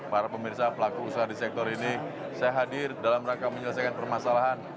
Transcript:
para pemirsa pelaku usaha di sektor ini saya hadir dalam rangka menyelesaikan permasalahan